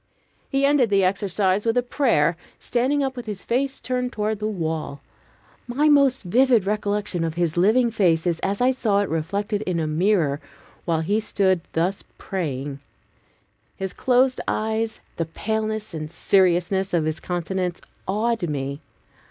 He ended the exercise with a prayer, standing up with his face turned toward the wall. My most vivid recollection of his living face is as I saw it reflected in a mirror while he stood thus praying. His closed eyes, the paleness and seriousness of his countenance, awed me.